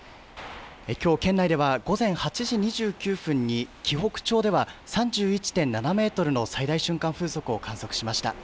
きょう県内では午前８時２９分に、紀北町では３１．７メートルの最大瞬間風速を観測しました。